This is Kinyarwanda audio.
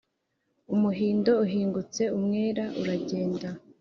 Umuhindo uhingutse umwera uragenda